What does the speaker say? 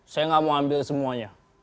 saya nggak mau ambil semuanya